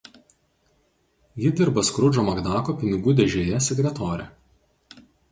Ji dirba Skrudžo Makdako Pinigų dėžėje sekretore.